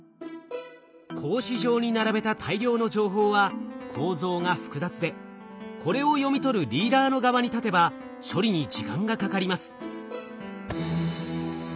格子状に並べた大量の情報は構造が複雑でこれを読み取るリーダーの側に立てば処理に時間がかかります。